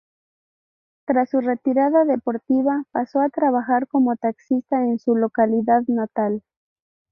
Tras su retirada deportiva pasó a trabajar como taxista en su localidad natal.